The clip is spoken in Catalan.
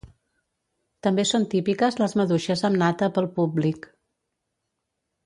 També són típiques les maduixes amb nata pel públic.